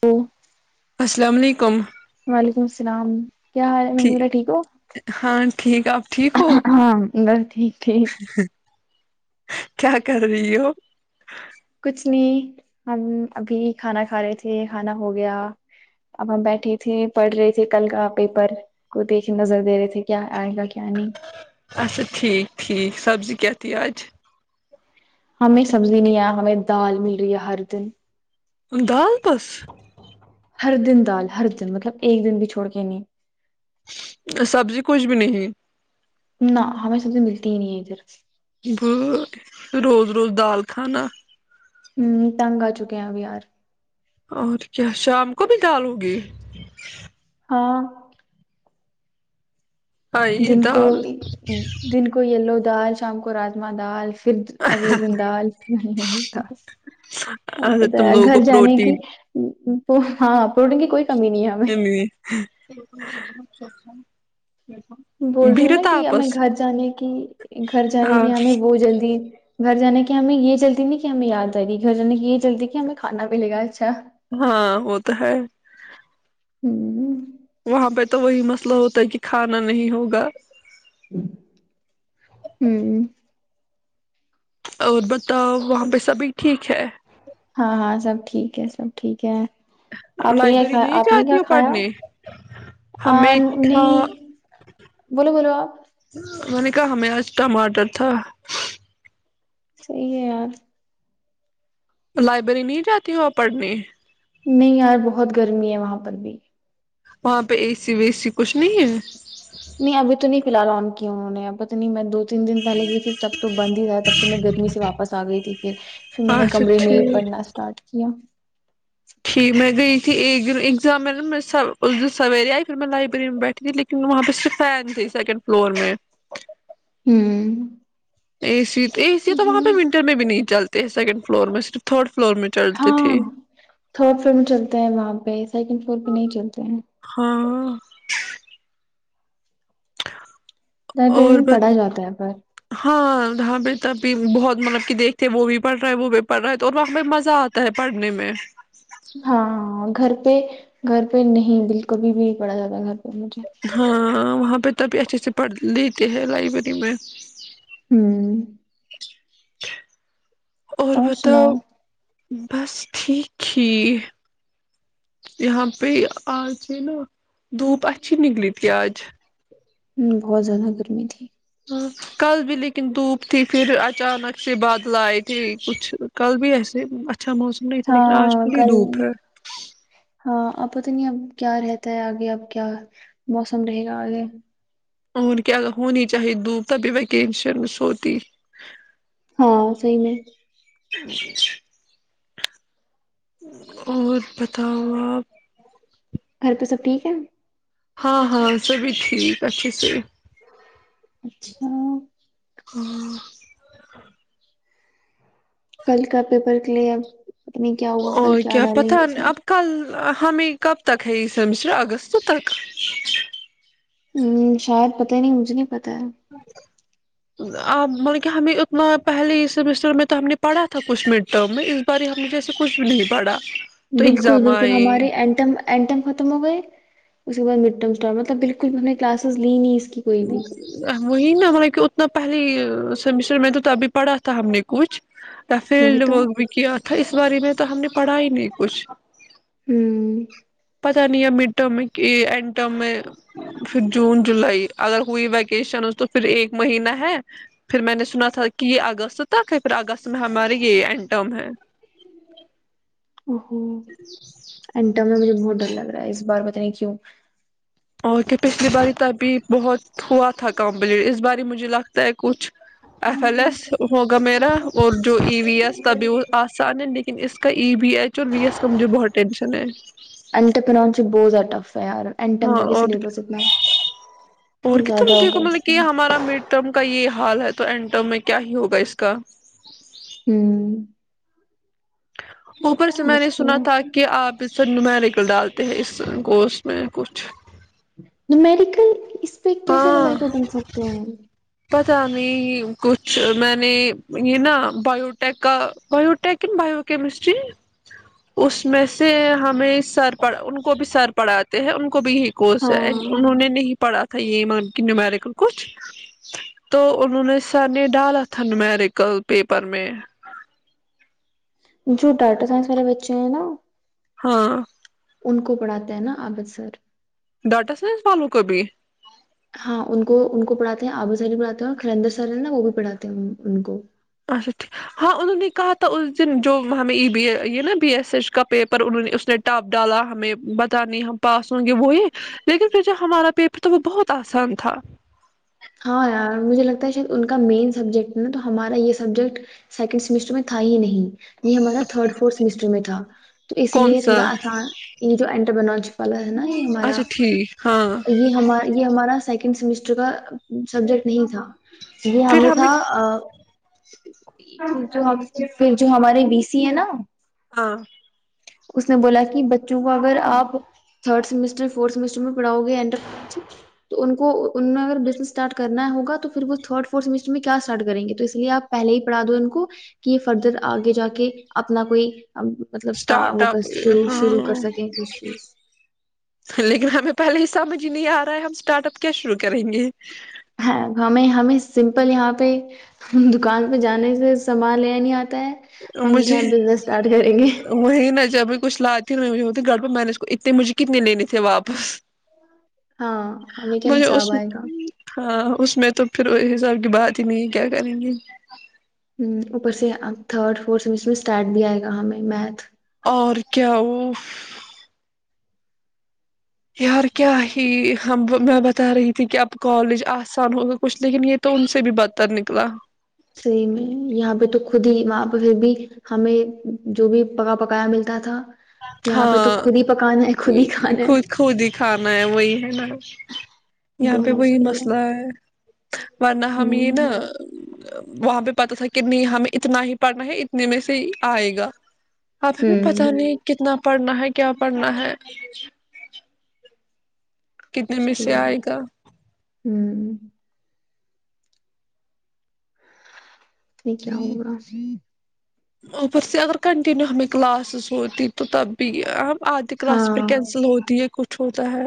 تو السلام علیکم وعلیکم السلام کیا حال ہے ما ٹھیک ہ ہاں ٹھیک آپ ٹھیک ہو ہاں بس ٹھیک ٹھیک کیا کر رہی ہو کچھ نہیں ہم ابھی کھانا کھا رہے تھے کھانا ہو گیا اب ہم بیٹھے تھے پڑھ رہے تھے کل کا پیپر کو دیکھے نظر دے رہے تھے کیا آئے گا کیا نہیں اچھا ٹھیک ٹھیک سبزی کی ت آج ہمیں سبزی نہیں آ ہمیں دال مل رہی ہے ہر دن دال پوس ہر دن دال ہر دن مطلب ایک دن بھی چھوڑ کے نہیں سبزی کچھ بھی نہیں نہ ہمیں سبزی ملتی ہی نہیں ہے ادھر ب روز روز دال کھانا ہوں تنگ آ چکے ہیںب یار اور کیا شام کو بھی کالوگی ہاں ہاں یہ دن کو دال دن کو لو دال شام کو راجما دال پھر اگلے دن د آف ہوتا ارے تم پتا لوگوں گھر کو جانے کی پروٹین پ ہاں آ پور ڈ گی کوئی کمی نہیں ہے ام ہمیں ہ [unintelligible] بول رہی ہوں نا کہ ہمیں گھر جانے کی گھر جانے ہاں کی ہمیں وہ جلدی گھر جانے کی ہمیں یہ جلدی نہیں کہ ہمیں یاد آ رہی گ جے کی یہ جلدی کہ ہمیں کھانا بھی لے گا اچھا ہاں وہ تو ہے ہوں [unintelligible] وہاں پہ تو وہی مسئلہ ہوتا ہے کہ کھانا نہیں ہوگا ہوں [unintelligible] اور بتاؤ وہاں پہ سبھی ٹھیک ہے ہاں ہاں سب ٹھیک ہے سب ٹھیک ہے آپ نے لائبریری کھا نہیں آپ نے کیا جاتی ہو کھایا پڑھنے آ ہمیں تھا نہیں بولو بولو آپ کا ہمیں آج ٹماٹر تھا صی ہے یار لائبریری نہیں جاتی ہو پڑھنے نہیں یار بہت گرمی ہے وہاں پر بھی وہاں پہ اے سی وی سی کچھ نہیں ہے نہیں ابھی تو نہیں فی الحال آن گ انہوں نے پت نہیں میں دو تین دن پہے گئی تھی تب تو بند ہی رہ تھا تب تو میں گرمی سے واپس آ گئی تھی پھر پھر میں نے اچھا کمرے میں ہی پڑھنا اسٹارٹ کیا [unintelligible] جھ میں گئی تھی اگزام میں نن سویرے آئی پھر میں لائبریری میں بیٹھی تھی لیکن وہاں پہ صرف فین تے سیکنڈ فلور میں [unintelligible] [unintelligible] اے سی تو وہاں پہ ہوں ونٹر میں بھی نہیں چل سیکنڈ فلور میں صرف تھوڈ ہاں تھرڈ فلور میں چلتے ہیں وہاں پہ سیکنڈ فلور پہ نہیں چلتے ہیں [unintelligible] ل پ اور میں ب پڑھا جاتا ہے پر تبھی بہت مطلب کہ دیکھتے وہ بھی پڑھ رہا ہے وہ بھی پڑھ رہا ہے تو اور وہق ب مزہ آتا ہے پڑھنے میں ہاں ہاں گھر پہ گھر پہ نہیں بالکل بھی بھی پڑا زیادہ گھر پہ مجھے ہاں وہاں پہ تبھی اچھے سے پڑھ لیتے ہیں لائب بری میں ہوں [inaudible] اور بتاؤ بس ٹھیک ھی یہاں پہ آج یہ نا دھوپ اچھی نکلی تھی آج بہت زیادہ گرمی تھی ہ کل بھی لیکن دھوپ تھی پھر اچانک سے بادل آئے تھے کچھ کل بھی ایسے اچھا موسم نہیں تھا لیکن آج ہاں ک ہی کل دھوپ ہے ہاں اب پت نہیں اب کیا رہتا ہے آگے اب کیا موسم رہے گا آگے اور کیا اگر ہونی چاہی دوب تبھی وکینشن میں سوتی ہاں صحی میں [inaudible] گھر تو سب ٹھیک ہے ہاں ہاں سبھی ٹھیک اچھے سے [unintelligible] ہوں کل کا پیپر کلیئر اور کیا پتہ اب کل ہمیں کب تک ہے یہ سمیسٹر اگست تک ہ شاید پتہ ہی نہیں مجھے نہیں بتاائیں آپ مطلب کہ ہمیں اتنا پہلے ہی سمسٹر میں تو ہم نے پڑھا تھا کچھ مڈ ٹرم میں اس بار ہم نے جیسے کچھ بھی نہیں پڑھا تو بالکل ایگزام بالکل آئے ہمارے اینٹم اینٹم ختم ہو گئے اس کے بعد [inaudible] اسٹار مطلب بالکل بھی ہم نے کلاسز لی نہیں کی کوئی بھی وہی نا مطلے کہ اتنا پہلے سیمسٹر میں تو [inaudible] ابھی پڑھا تھا ہم نے کچھ وہی فیلڈ تو بک بھی کیا تھا اس باری میں تو ہم نے پڑھا ہی نہیں کچھ ہوں پتا نہیں ہے مڈ ٹرم میں اینڈ ٹرم میں پھر جون جولائی اگر ہوئی ویکیشن تو پھر ایک مہینہ ہے پھر میں نے سنا تھا کہ یہ اگست ہے پھر اگست میں ہمارے یہ انڈ ٹرم ہے ا اینڈٹرم مجھے بہت ڈر لگ رہا ہے اس بار بتیں کیوں اور کہ پچھلی باری ت ابھی بہت ہوا تھا کمپلیٹ اس بار مجھے لگتا ہے کچھ ایف ایل ایس ہوگا میرا اور جو ای وی ایس تبھی وہ آسان ہے لیکن اس کا ای وی ایچ اور وی ایس کا مجھے بہت ٹینشن ہے اینٹرپرینیورشپ بہت زیادہ ٹف ہے یار اینٹم ہاں کا بھی اور سلیبس اتنا اور کت زیادہ دیک ہوگا مطلب اس کہ میں ہمارا مڈٹم کا یہ حال ہے تو اینٹو میں کیا ہی ہوگا اس کا ہوں اوپر سے میں نے مشکل سنا ہے تھا کہ آپ اس سے نمیر گ ڈالتے ہیں اس گوشت میں کچھ میڈیکل اس پ کیسے نمبر ہاں کے بن سکتے ہیں کچھ میں نے یہ نا بایوٹیک کا بایوٹیک بایو کیمسٹری اس میں سے ہمیں سرڑ ان کو بھی سر پڑھاتے ہیں ان کو بھی ہی کوس ہے ہاں انہوں نے نہیں پڑھا تھا تھا یہی مان کی نومیریکل کچھ تو انہوں نے سر نے ڈالا تھا نومیریکل پیپر میں جو ڈاٹا سائنس والیرے بچے ہیں نا ہاں ان کو پڑھاتے ہیں نا عبد سر ڈٹس نہ پلو قبھی ہاں ان کو ان کو پڑھاتے ہیں آبو سری پڑاتے ہیں اور خلندر سر نا وہ بھی پڑھاتے ہیں ان کو اچھا ٹھیک ہاں انہوں نے کہا تھا اس دن جو ہمیں ای بی یہ نا بی ایس ایچ کا پیپر انہوں نے اس نے ٹپ ڈالا ہمیں بتانی ہم پاس ہوں گے وہ یہ لیکن جو ہمارا پیپر تھا وہ بہت آسان تھا ہاں یار مجھے لگتا ہے شاید ان کا مین سبجیکٹ ہے نا تو ہمارا یہ سبجیکٹ سیکنڈ سیمیسٹر میں تھا ہی نہیں یہ ہمارا تھرڈ فورتھ سمسٹر میں تھا تو اسی کون لیے سا تھوڑا آسان یہ جوٹر بناانچی پالس نا یہ ہمارا اچھا ٹھیک ہاں یہ ہم یہ ہمارا س سڈ سیمیسٹر کا سبجیکٹ نہیں تھا جی ہم پھر نے ہمیں تھا [unintelligible] ہاں اس نے بولا کہ بچوں کو اگر آپ تھرڈ سمیسٹر فورتھ سمسٹر میں پڑھاؤ گےٹر تو ان کو ان نے اگر بزنس اسٹارٹ کرنا ہوگا تو پھر وہ تھرڈ فھ سٹر میں کیا اسٹار کریں گے تو اس لیے آپ پہلے ہی پڑھا دو ان کو کہ یہ فردر آگے جا کے اپنا کوئی مطلب اسٹارٹ وہ اپ شروع شروع ہاں کر سکیں کچھ چیز لیکن ہمیں پہلے ہی سمجھ نہیں آ ہم اسٹارٹ اپ کیا شرو کریں گے ہاں ہمیں ہمیں سمپل یہاں پہ دکان پہ جانے سے سنبھالے نئی مجھے گے وہی ن جب کچھ لاتی ہوتی گڑ پہ میں نے اتنے مجھے کتنے لینے تھے واپس ہاں ہمیں کیا مجے اس حساب آئے گا ہاں اس میں تو پھر اس حساب کی بات ہی نہیں ہے کیا کریں گے ہ اوپر سے تھرڈ فورتھ سمسٹر میں اسٹارٹ بھی آئے گا ہمیں میتھ اور کیا وہ یار کیا ہی ہم میں بتا رہی تھی کہ اب کالج آسان ہوگا کچھ لیکن یہ تو ان سے بھی بدتر نکلا سی میں یہاں پہ تو خود ہی وہاں پہ پھر بھی ہمیں جو بھی پکا پکایا ملتا تھا یہاں پہ ہاں تو خود ہی پکانا ہے خود ہی کھانا خود ہے خود ہی کھانا ہے وہی ہے نا یہاں بہت پہ وہی مشکل مسئلہ ہے ورنہ ہم یہ ہ نا وہاں پہ پتا تھا کہ نہیں ہمیں اتنا ہی پڑھنا ہے اتنے میں سے ہی آئے گا آپ ہ ہمیں پتہ مشکل نہیں پڑھنا ہے کیا پڑھنا ہے کتنے میں سے آئے گا ہوں کیا ہوگا اوپر سے اگر کنٹنیو ہمیں کلاسز ہوتی تو تب بھی ہم آدتی کی کلاس پ ہاں کینسل ہوتی ہے کچھ ہوتا ہے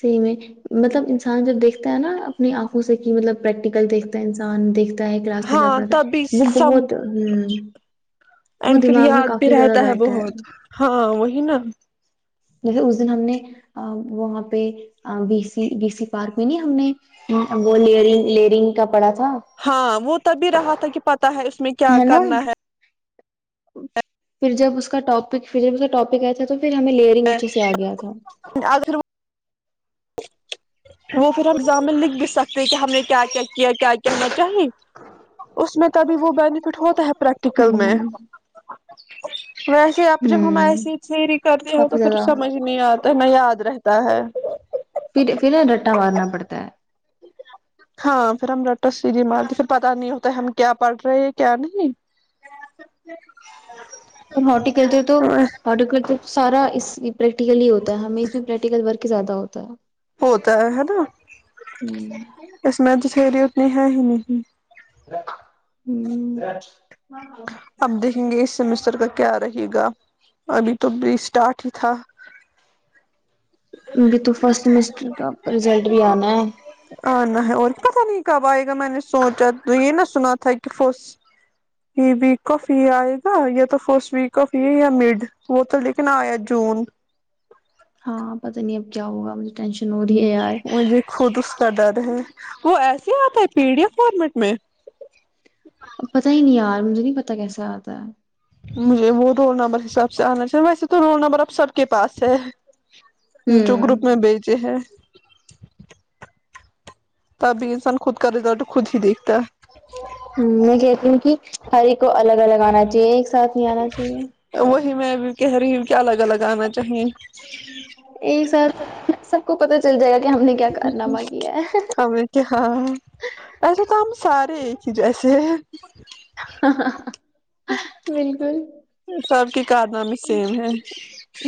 سحی میں مطلب انسان جب دیکھتا ہے نا اپنی آنکھوں سے کہ مطلب پریکٹیکل دیکھتا ہے انسان دیکھتا ہے کلاس میں کا ہاں پڑتا تبھی ہے وہ سم بہت ہ وہ اینڈ پھر دماغ میں یاد بھی کافی زیادہ رہتا بیٹھا ہے بہت ہاں وہی نا ج اس دن ہم نے وہ پ بی س بی سی پارک میں نہیں ہم نے وہنگرنگ کا پڑا تھا تب بھی رہا تھا کہ پ تا ہے اس میں کیا کرنا ہے پھر جب اس کا ٹاپک پھر جب اس کا ٹاپک آیا تھا تو پھر ہمیں لیئرنگ اچھے سے آ گیا تھا اگر وہ پھر ہمزامع لکھ بھی سکتے کہ ہم نے کیا کیا کیا کیا کیا ہونا چاہی اس میں تبھی وہ بینیفٹ ہوتا ہے پریکٹیکل میں ہ جی ویسے آپ جب ہم ہ ایسی تھیری کرتے ہو کافی تو پھر زیادہ سمجھ نہیں آتا ہے میں یاد رہتا تا ہے پھر پھر سوارنا پڑتا ہے ہاں پھر ہم رٹر سیڑھی مارتے پھر پت نہیں ہوتا ہم کیا پڑھ رہے ہیں کیا نہیں اور ہارٹییکلچر تو ہارٹییکلچر سارا اس پریکٹیکلی ہی ہوتا ہمیں اس میں پریکٹیکل ورک زیادہ ہوتا ہے ہوتا ہے نا اس میں ج پری اتنی ہے ہی نہیں [inaudible] اب دیکھیں گے اس سمسٹر کا کیا رہے گا ابھی تو بھی اسٹارٹ ہی تھا ابھی تو فرسٹ سمسٹر کا رزلٹ بھی آنا ہے آنا ہے اور پتا نہیں کب آئے گا میں نے سوچا تو یہ نہا سنا تھا کہ فرسٹ یہ ویک آف یہ آئے گا یا تو فسٹ ویک آف یہ یا مڈ وہ تو لیکن آیا جون ہاں پت نہیں اب کیا ہوا مجھے ٹینشن ہو رہی ہے یار مجھے خود اس کا ڈر ہے وہ ایسے آتا ہے پی ڈی ایف فارمیٹ میں پتا ہی نہیں یار مجھے نہیں پتا کیسا آتا ہے مجھے وہ رول نمبر حساب سے آنا چاہیے ویسے تو رول نمبر اب سب کے پاس ہے جو گروپ میں بیجے ہیں تبھی انسان خود کا رزلٹ خود ہی دیکھتا ہے میں کہتی ہوں کہ ہر ایک کو الگ الگ آنا چاہیے ایک ساتھ نہیں آنا چاہیے ہے وہی میں بھی کہہ رہی ہوں کیا الگ الگ آنا چاہیے ایک سات سب کو پتا چل جائے گا کہ ہم نے کیا کارنامہ کیا ہے ہم کیا ہاں ایسے تو ہم سارے ایک ہی جیسے بالکل سب کی کارنامے سیم ہے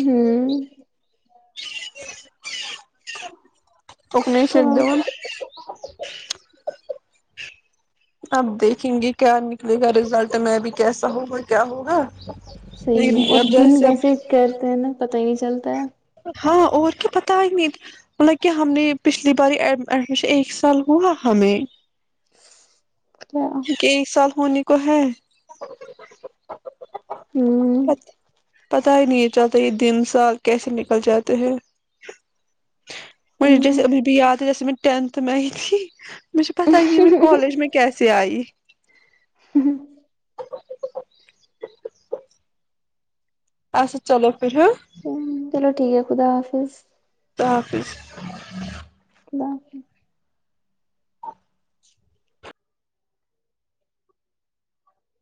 ہ [inaudible] [inaudible] اب دیکھیں گے کیا نکلے گا رزلٹ میں ابھی کیسا ہوگا کیا ہوگا صحیح لیکن میں اور اب دن جیسے کیسے اب کرتے ہیں نا پتا ہی نہیں چلتا ہے ہاں اور کیا پتا ہے نہیں مطلب کہ ہم نے پچھلی باری ایڈمیشن ایک سال ہوا ہمیں کیا ہوں کہ ایک سال ہونی کو ہے اچھا پتہ ہی نہیں یہ چلتا یہ دن سال کیسے نکل جاتے ہیں مجھے صحیح میں جیسے مجھے بھی یاد ہے جیسے میں ٹینتھ میں ای تھی م میںھ پتہ نہیں م میں کالج میں کیا پئی ہوں اھا چلو پر ہ چلو ٹھیک ہے خدا حافظ صحافظ اللہ حافظ